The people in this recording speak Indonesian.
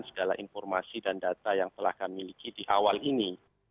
segala informasi dan data yang telah kami miliki di awal ini